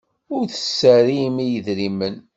Ur tserrim i yedrimen.